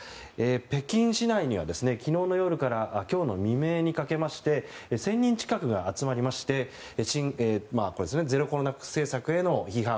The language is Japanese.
北京市内には、昨日の夜から今日の未明にかけまして１０００人近くが集まりましてゼロコロナ政策への批判